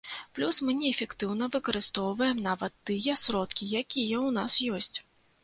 Плюс мы неэфектыўна выкарыстоўваем нават тыя сродкі, якія ў нас ёсць.